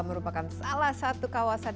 merupakan salah satu kawasan